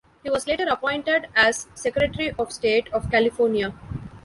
He was later appointed as Secretary of State of California.